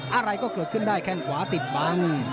อะไรก็เกิดขึ้นได้แข้งขวาติดบัง